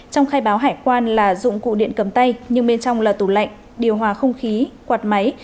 có hải quan là dụng cụ điện cầm tay nhưng bên trong là tủ lạnh điều hòa không khí quạt máy